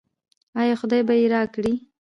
آیا خدای به یې راکړي؟